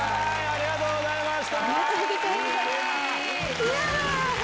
ありがとうございます。